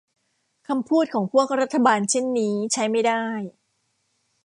คำพูดของพวกรัฐบาลเช่นนี้ใช้ไม่ได้